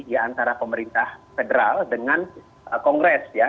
ya antara pemerintah federal dengan kongres ya